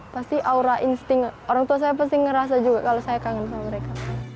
pasti aura insting orang tua saya pasti ngerasa juga kalau saya kangen sama mereka